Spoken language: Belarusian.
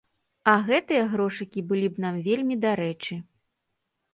А гэтыя грошыкі былі б нам вельмі дарэчы.